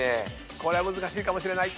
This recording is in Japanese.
これは難しいかもしれない。